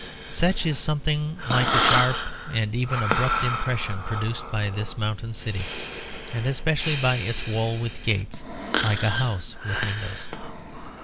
Such is something like the sharp and even abrupt impression produced by this mountain city; and especially by its wall with gates like a house with windows.